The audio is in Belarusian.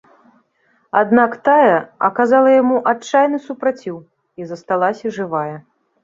Аднак тая аказала яму адчайны супраціў і засталася жывая.